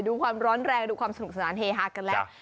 ดูความร้อนแรงดูความสนุกสนานเฮฮากันแล้ว